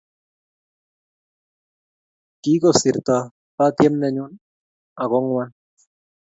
Kikosirto patiem nenyun net ako ngwan